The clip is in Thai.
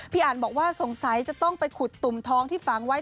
อันบอกว่าสงสัยจะต้องไปขุดตุ่มท้องที่ฝังไว้